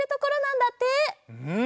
うん。